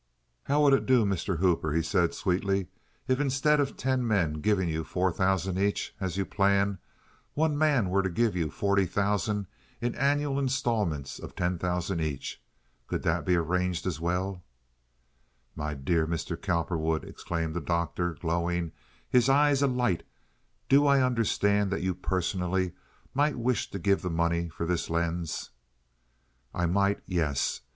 "How would it do, Mr. Hooper," he said, sweetly, "if, instead of ten men giving you four thousand each, as you plan, one man were to give you forty thousand in annual instalments of ten thousand each? Could that be arranged as well?" "My dear Mr. Cowperwood," exclaimed the doctor, glowing, his eyes alight, "do I understand that you personally might wish to give the money for this lens?" "I might, yes.